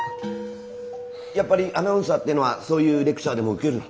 やっぱりアナウンサーっていうのはそういうレクチャーでも受けるの？